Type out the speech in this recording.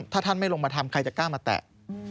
ถ้าท่านไม่ลงมาทำใครจะกล้ามาแตะ